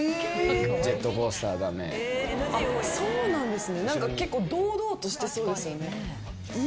そうなんですね。